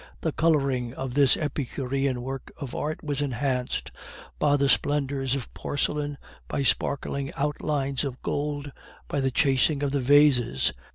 The coloring of this epicurean work of art was enhanced by the splendors of porcelain, by sparkling outlines of gold, by the chasing of the vases.